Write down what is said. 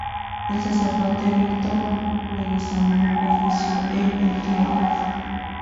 El sacerdote Víctor Leguizamón ofició el entierro.